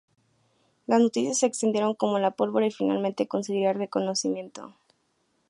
Las noticias se extendieron como la pólvora y finalmente conseguiría reconocimiento.